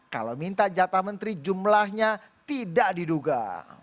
kalau minta jatah menteri jumlahnya tidak diduga